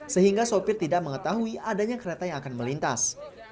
sehingga sopir tidak mengetahui adanya kereta yang akan melintas